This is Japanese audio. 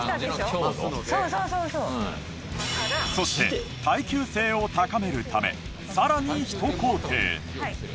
そして耐久性を高めるため更にひと工程。